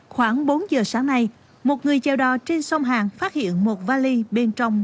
khoảng bốn giờ sáng nay một người chèo đò trên sông hàng phát hiện một vali bên trong